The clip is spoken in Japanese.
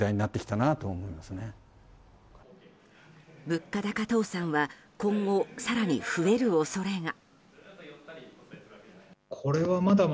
物価高倒産は今後、更に増える恐れが。